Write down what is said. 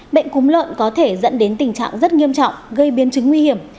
bệnh cúm lợn có thể dẫn đến tình trạng rất nghiêm trọng gây biến chứng nguy hiểm